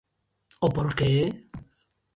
O porqué?